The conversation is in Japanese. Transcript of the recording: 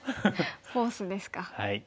フォースですか。